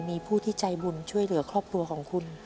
มีผู้ที่ใจบุญช่วยเหลือครอบครัวของคุณ